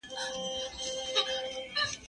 زه ځواب ليکلی دی!.